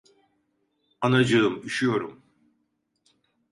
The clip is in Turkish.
Anacığım üşüyorum!